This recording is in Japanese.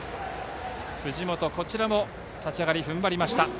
藤本、立ち上がり踏ん張りました。